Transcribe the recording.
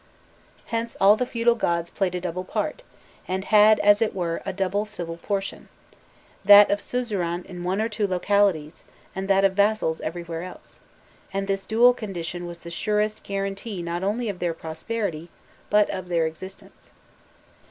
Hence all the feudal gods played a double part, and had, as it were, a double civil portion that of suzerain in one or two localities, and that of vassals everywhere else and this dual condition was the surest guarantee not only of their prosperity, but of their existence.